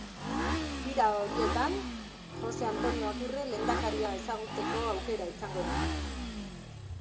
Bira horietan Jose Antonio Agirre Lehendakaria ezagutzeko aukera izango du.